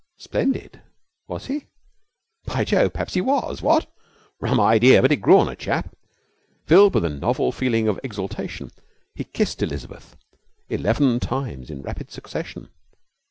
Splendid! Was he? By Jove, perhaps he was, what? Rum idea, but it grew on a chap. Filled with a novel feeling of exaltation, he kissed Elizabeth eleven times in rapid succession.